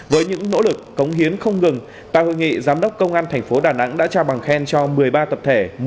với những nỗ lực cống hiến không ngừng tại hội nghị giám đốc công an thành phố đà nẵng đã trao bằng khen cho một mươi ba tập thể